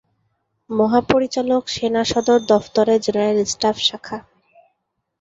মহাপরিচালক সেনা সদর দফতরে জেনারেল স্টাফ শাখা।